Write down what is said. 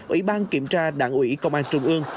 ủy ban kiểm tra đảng ủy công an trung ương